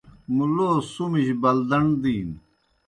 مُلوس سُمِجیْ بَلدَݨ دِینوْ۔